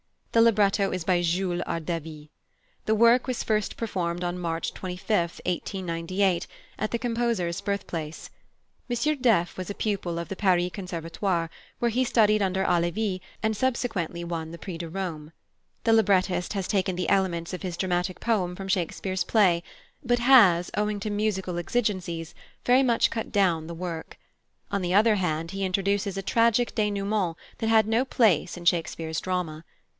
The libretto is by Jules Ardevies. The work was first performed on March 25, 1898, at the composer's birthplace. M. Deffès was a pupil of the Paris Conservatoire, where he studied under Halévy and subsequently won the Prix de Rome. The librettist has taken the elements of his dramatic poem from Shakespeare's play, but has, owing to musical exigencies, very much cut down the work. On the other hand, he introduces a tragic dénouement that had no place in Shakespeare's drama.